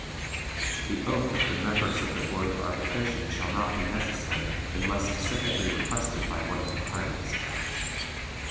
The oath of the members of the Board of Arbitration shall not be necessary unless specifically requested by one of the parties.